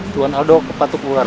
tuan adok kepatuk luar